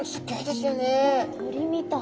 鳥みたい。